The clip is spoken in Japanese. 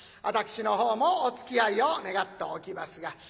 私の方もおつきあいを願っておきますが。